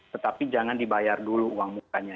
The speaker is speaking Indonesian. tetapi jangan dibayar dulu uang mukanya